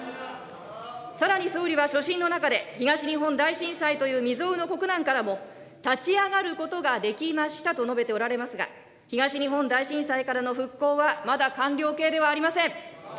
さらに、総理は所信の中で、東日本大震災という未曽有の国難からも、立ち上がることができましたと述べておられますが、東日本大震災からの復興はまだ完了形ではありません。